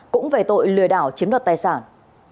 cũng về tội lừa đảo chiếm đoạt tài sản